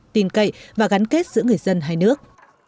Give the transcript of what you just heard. tin cậy và gắn kết giữa người dân hai nước